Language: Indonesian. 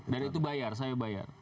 dari itu saya bayar